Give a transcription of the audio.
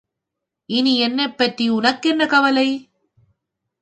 இனி என்னைப்பற்றி உனக்கென்ன கவலை?